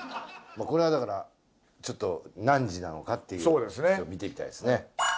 これはだからちょっと何時なのかっていうところ見ていきたいですね。